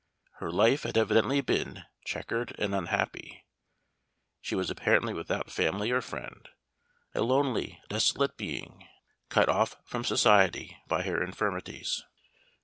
Her life had evidently been checkered and unhappy; she was apparently without family or friend, a lonely, desolate being, cut off from society by her infirmities.